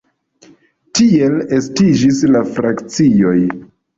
Tiel estiĝis la frakcioj.